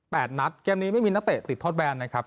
นัดเกมนี้ไม่มีนักเตะติดโทษแบนนะครับ